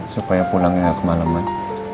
supaya pulangnya gak kemalaman